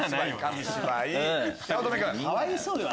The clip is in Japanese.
かわいそうよ